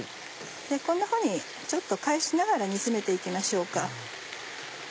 こんなふうにちょっと返しながら煮詰めて行きましょうか。